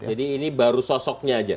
jadi ini baru sosoknya aja